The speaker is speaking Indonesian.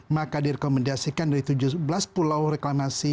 maka direkomendasikan dari tujuh belas pulau reklamasi